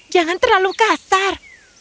jangan terlalu kasar